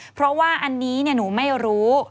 เพราะว่าอันนี้หนูไม่รู้